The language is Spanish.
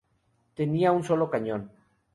Tenía un solo cañón.